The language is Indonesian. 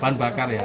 bantuan bakar ya